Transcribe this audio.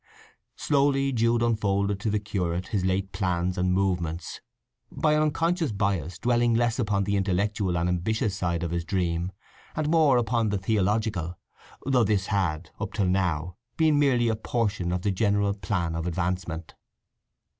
Slowly Jude unfolded to the curate his late plans and movements, by an unconscious bias dwelling less upon the intellectual and ambitious side of his dream, and more upon the theological, though this had, up till now, been merely a portion of the general plan of advancement.